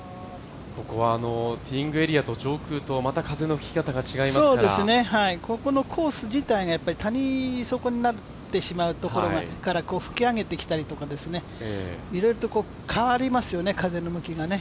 ここはティーイングエリアと上空と、また風の吹き方が違いますからここのコース自体が谷底になってしまうところから吹き上げてきたりとか、いろいろと変わりますよね、風の向きがね。